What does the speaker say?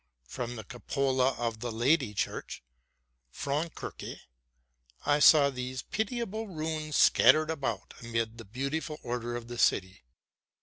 From the cupola of the Lady Church (Frauenkirche) I saw these pitiable ruins scattered about amid the beautiful order of the city.